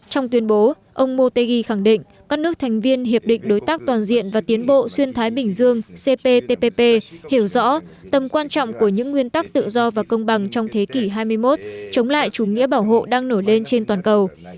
trong tuyên bố ông motegi khẳng định các nước thành viên hiệp định đối tác toàn diện và tiến bộ xuyên thái bình dương cptpp hiểu rõ tầm quan trọng của những nguyên tắc tự do và công bằng trong thế kỷ hai mươi một chống lại chủ nghĩa bảo hộ đang nổi lên trên toàn cầu